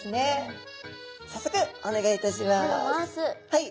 はい。